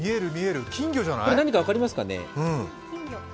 これ何か分かりますかね。